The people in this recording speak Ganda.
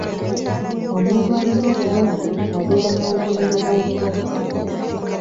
Omuntu alina obulwadde abeera n'obubonero bw'obulwadde.